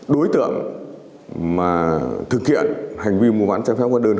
đối tượng mà thực hiện hành vi mua bán trái phép hóa đơn